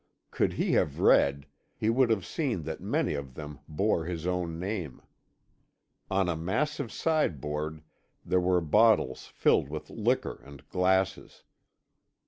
Could he have read, he would have seen that many of them bore his own name. On a massive sideboard there were bottles filled with liquor, and glasses.